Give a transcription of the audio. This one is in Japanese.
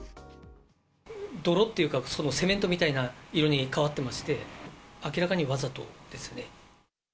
泥っていうか、セメントみたいな色に変わってまして、明らかにわざとですね。